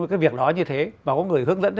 vào cái việc đó như thế và có người hướng dẫn